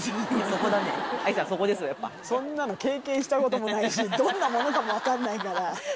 そこなんだよ、そんなの経験したこともないし、どんなものかも分かんないから。